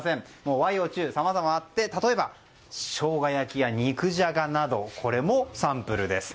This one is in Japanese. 和洋中さまざまあって例えば、しょうが焼きや肉じゃがなどこれもサンプルです。